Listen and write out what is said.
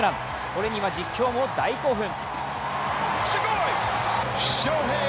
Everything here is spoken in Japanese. これには実況も大興奮。